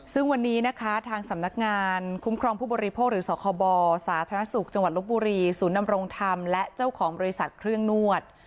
ซึ่งวันนี้นะคะทางสำนักงานคุ้มครองผู้บริโภคหรือสคบสาธารณสุขจังหวัดลบบุรีศูนย์นำรงธรรมและเจ้าของบริษัทเครื่องนวด